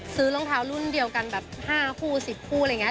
รองเท้ารุ่นเดียวกันแบบ๕คู่๑๐คู่อะไรอย่างนี้